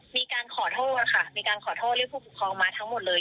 มีการขอโทษค่ะมีการขอโทษเรียกผู้ปกครองมาทั้งหมดเลย